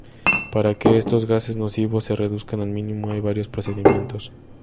Para que estos gases nocivos se reduzcan al mínimo hay varios procedimientos.